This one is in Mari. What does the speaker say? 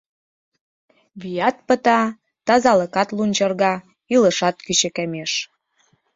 Вият пыта, тазалыкат лунчырга, илышат кӱчыкемеш.